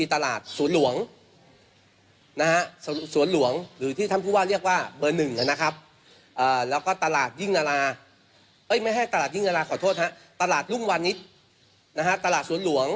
ตลาดรุ่งวานิสตลาดสวนหลวงตลาดรุ่งวานิส